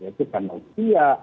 yaitu karena usia